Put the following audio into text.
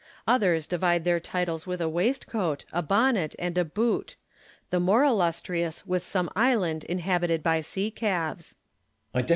Others divide their titles Avith a waistcoat, a bonnet, and a boot \ the more illustrious with some island inhabited by sea calves.